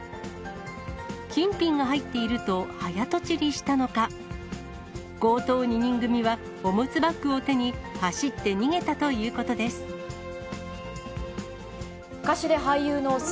金品が入っていると早とちりしたのか、強盗２人組はおむつバッグを手に、走って逃げたということです。